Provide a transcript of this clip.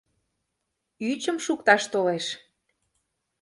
Ӱчым шукташ толеш!